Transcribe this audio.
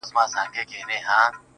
خداى نه چي زه خواست كوم نو دغـــه وي_